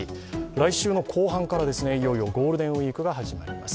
来週の後半から、いよいよゴールデンウイークが始まります。